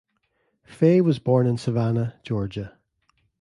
Fay was born in Savannah, Georgia.